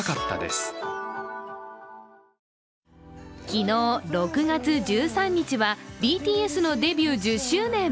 昨日、６月１３日はＢＴＳのデビュー１０周年。